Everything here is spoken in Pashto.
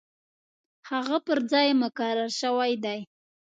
هغه پر ځای مقرر شوی دی.